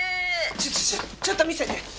ちょっとちょっとちょっと見せて。